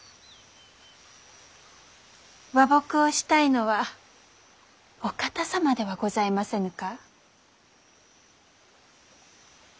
和睦をしたいのはお方様ではございませぬか？